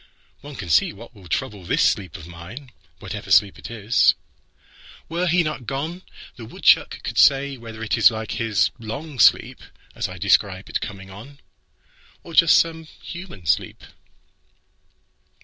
One can see what will troubleThis sleep of mine, whatever sleep it is. Were he not gone, The woodchuck could say whether it's like hisLong sleep, as I describe its coming on, Or just some human sleep.